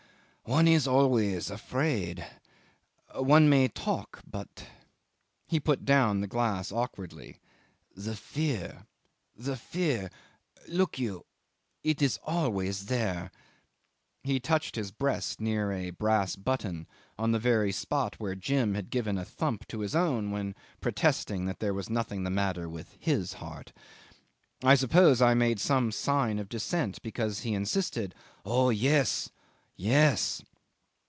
"One is always afraid. One may talk, but ..." He put down the glass awkwardly. ... "The fear, the fear look you it is always there." ... He touched his breast near a brass button, on the very spot where Jim had given a thump to his own when protesting that there was nothing the matter with his heart. I suppose I made some sign of dissent, because he insisted, "Yes! yes!